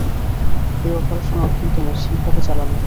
এই অপারেশন অত্যন্ত মসৃণভাবে চালানো হচ্ছে।